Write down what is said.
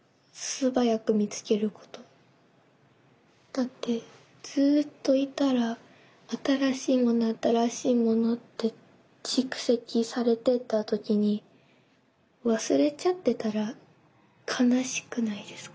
だってずっといたら新しいもの新しいものって蓄積されていった時に忘れちゃってたら悲しくないですか。